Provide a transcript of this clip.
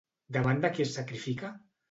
Davant de qui es sacrifica?